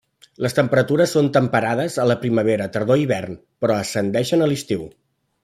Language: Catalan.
Les temperatures són temperades a la primavera, tardor i hivern, però ascendeixen a l'estiu.